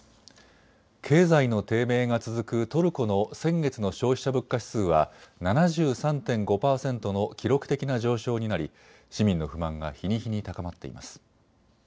経済の低迷が続くトルコの先月の消費者物価指数は７３．５％の記録的な上昇になり市民の不満が日に日に高まっています。